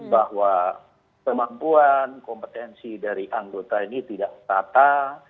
bahwa kemampuan kompetensi dari anggota ini tidak rata